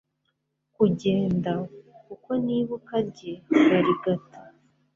kugenda, -kuko nibuka rye barigata